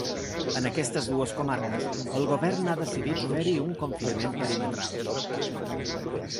En aquestes dues comarques el govern ha decidit fer-hi un confinament perimetral.